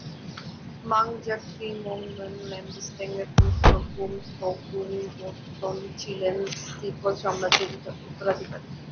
মাং-ব্জা খ্রি-মো-ম্ন্যেন-ল্দোং-স্তেংয়ের পুত্র গুং-স্রোং-গুং-ব্ত্সন ছিলেন তিব্বত সাম্রাজ্যের উত্তরাধিকারী।